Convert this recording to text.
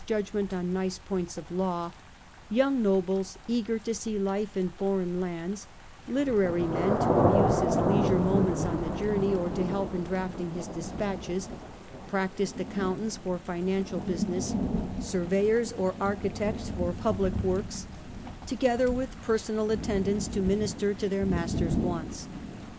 judgment on nice points of law, young nobles eager to see life in foreign lands, literary men to amuse his leisure moments on the journey, or to help in drafting his despatches, practised accountants for financial business, surveyors or architects for public works, together with personal attendants to minister to their master's wants.